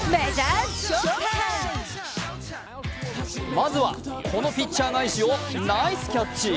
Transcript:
まずはこのピッチャー返しをナイスキャッチ。